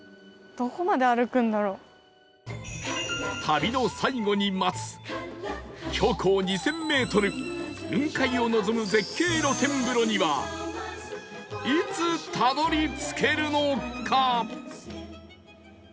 旅の最後に待つ標高２０００メートル雲海を望む絶景露天風呂にはいつたどり着けるのか？